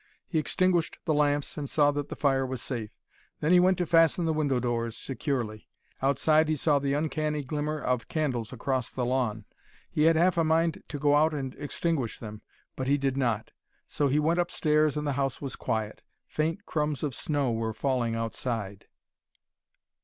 He extinguished the lamps and saw that the fire was safe. Then he went to fasten the window doors securely. Outside he saw the uncanny glimmer of candles across the lawn. He had half a mind to go out and extinguish them but he did not. So he went upstairs and the house was quiet. Faint crumbs of snow were falling outside.